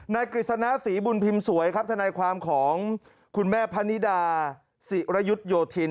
กฤษณะศรีบุญพิมพ์สวยครับทนายความของคุณแม่พะนิดาศิรยุทธโยธิน